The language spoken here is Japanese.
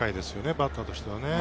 バッターとしては。